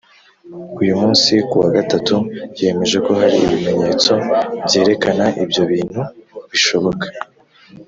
Uyu munsi kuwa gatatu yemeje ko hari ibimenyetso byerekana ibyobintu bishoboka